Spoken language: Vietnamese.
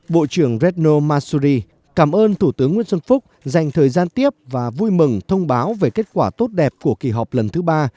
bộ trưởng redno masuri cảm ơn thủ tướng nguyễn xuân phúc dành thời gian tiếp và vui mừng thông báo về kết quả tốt đẹp của kỳ họp lần thứ ba